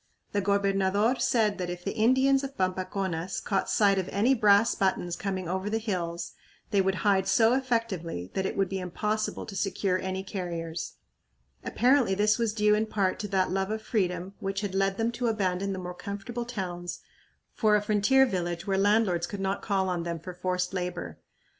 The gobernador said that if the Indians of Pampaconas caught sight of any brass buttons coming over the hills they would hide so effectively that it would be impossible to secure any carriers. Apparently this was due in part to that love of freedom which had led them to abandon the more comfortable towns for a frontier village where landlords could not call on them for forced labor.